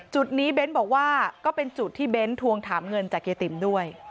จุดนี้เบ้นบอกว่าก็เป็นจุดที่เบ้นทวงถามเงินจากเยติ๋มด้วย